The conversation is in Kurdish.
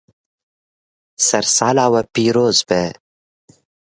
Sersala we pîroz be.